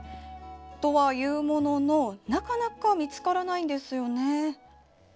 とはいうもののなかなか見つからないんですよね。